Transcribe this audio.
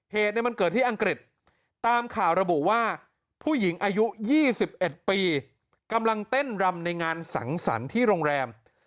เหตุมันเกิดที่อังกฤษตามข่าวระบุว่าผู้หญิงอายุ๒๑ปีกำลังเต้นรำในงานสังสรรค์ที่โรงแรม